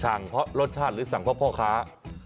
เพราะรสชาติหรือสั่งเพราะพ่อค้า